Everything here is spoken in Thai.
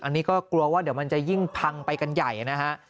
อันนี้ก็กลัวว่าเดี๋ยวมันจะยิ่งพังไปกันใหญ่นะฮะ